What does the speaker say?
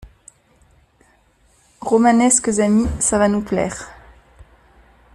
Romanesques amis: ça va nous plaire.